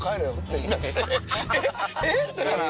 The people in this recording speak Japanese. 「え？え？」ってなって。